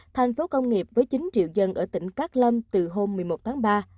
thành phố công nghiệp với chín triệu dân ở tỉnh cát lâm từ hôm một mươi một tháng ba